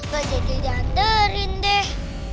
gak jadi jantarin deh